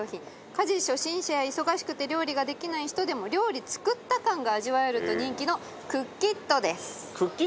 家事初心者や忙しくて料理ができない人でも料理作った感が味わえると人気のＣｏｏＫｉｔです。